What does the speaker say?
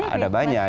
ada berapa banyak ya